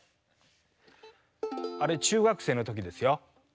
あれ中学生の時ですよ。